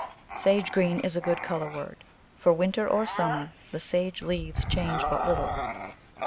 Sage green is a good colour word, for, winter or summer, the sage leaves change but little.